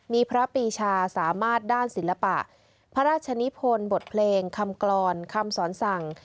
มีพระปีชาสามารถด้านศิลปะพระราชนิพลบทเพลงคำกรอนคำสอนสั่ง